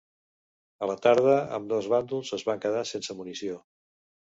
A la tarda, ambdós bàndols es van quedar sense munició.